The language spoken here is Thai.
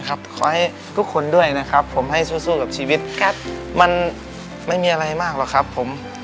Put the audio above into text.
ขอให้ทุกคนด้วยนะครับผมให้สู้กับชีวิตมันไม่มีอะไรมากหรอกครับผม